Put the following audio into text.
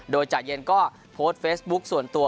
โดยจ่ายเย็นก็โพสต์เฟซบุ๊คส่วนตัว